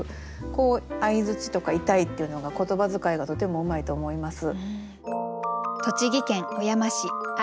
こう「相」とか「痛い」っていうのが言葉遣いがとてもうまいと思います。